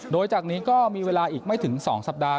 โดยจากนี้ก็มีเวลาอีกไม่ถึง๒สัปดาห